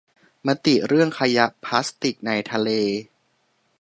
มติเรื่องขยะพลาสติกในทะเล